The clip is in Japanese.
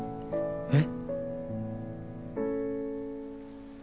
えっ？